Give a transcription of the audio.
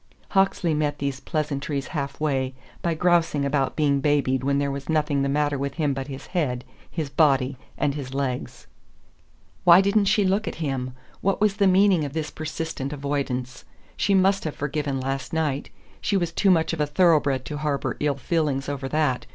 Hawksley met these pleasantries halfway by grousing about being babied when there was nothing the matter with him but his head, his body, and his legs. Why didn't she look at him? What was the meaning of this persistent avoidance? She must have forgiven last night. She was too much of a thoroughbred to harbour ill feeling over that.